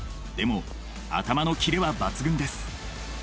でも頭のキレは抜群です。